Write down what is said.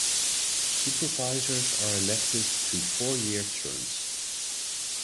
Supervisors are elected to four-year terms.